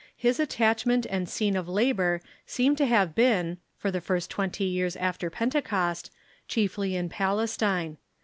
His attachment and scene of labor seem to have been, for the first twenty years after Pentecost, chiefly in Palestine.